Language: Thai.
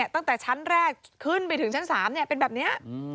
ตั้งแต่ชั้นแรกขึ้นไปถึงชั้น๓เป็นแบบนี้